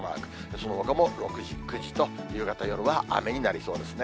そのほかも６時、９時と夕方、夜は雨になりそうですね。